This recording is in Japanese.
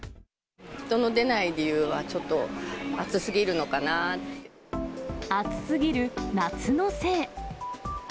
人の出ない理由は、ちょっと暑すぎる夏のせい。